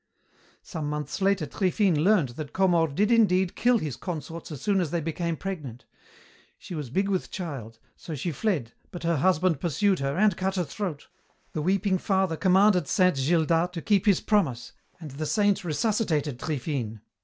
"Some months later Triphine learned that Comor did indeed kill his consorts as soon as they became pregnant. She was big with child, so she fled, but her husband pursued her and cut her throat. The weeping father commanded Saint Gildas to keep his promise, and the Saint resuscitated Triphine.